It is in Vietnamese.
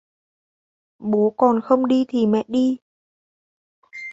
Bố còn không đi thì mẹ đi